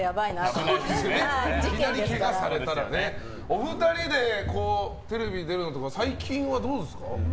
お二人でテレビ出るのとかは最近どうですか？